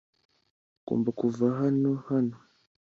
Ugomba kuva hano hano